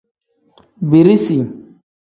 Birisi.